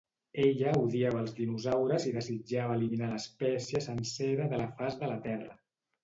Ella odiava als dinosaures i desitjava eliminar l'espècie sencera de la faç de la terra.